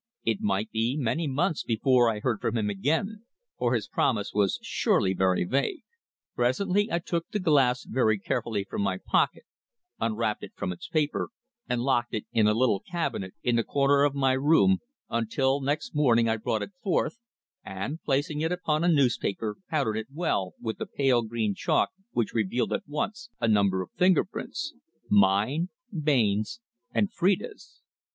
It might be many months before I heard from him again, for his promise was surely very vague. Presently I took the glass very carefully from my pocket, unwrapped it from its paper, and locked it in a little cabinet in the corner of my room, until next morning I brought it forth, and placing it upon a newspaper powdered it well with the pale green chalk which revealed at once a number of finger marks mine, Bain's, and Phrida's.